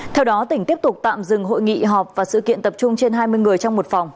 theo đó tỉnh tiếp tục tạm dừng hội nghị họp và sự kiện tập trung trên hai mươi người trong một phòng